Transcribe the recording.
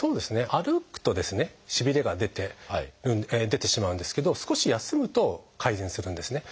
歩くとしびれが出てしまうんですけど少し休むと改善するんですね。